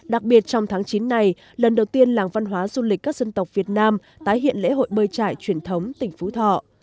đặc biệt trong tháng chín này lần đầu tiên làng văn hóa du lịch các dân tộc việt nam tái hiện lễ hội bơi trải truyền thống tỉnh phú thọ